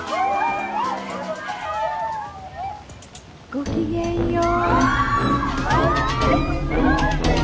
ごきげんよう。